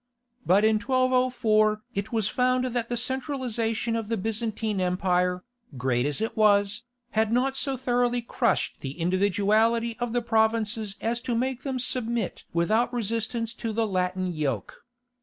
But in 1204 it was found that the centralization of the Byzantine Empire, great as it was, had not so thoroughly crushed the individuality of the provinces as to make them submit without resistance to the Latin yoke.